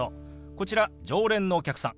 こちら常連のお客さん。